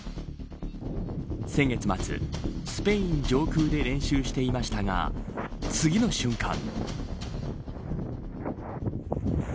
先月末、スペイン上空で練習していましたが次の瞬間。